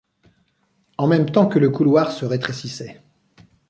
En même temps que le couloir se rétrécissait.